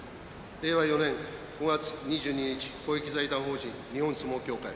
令和４年５月２２日公益財団法人日本相撲協会